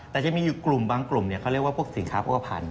แต่จะมีอยู่กลุ่มบางกลุ่มเขาเรียกว่าพวกสินค้าโภคภัณฑ์